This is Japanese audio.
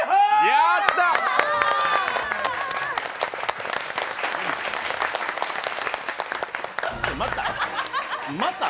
やった！！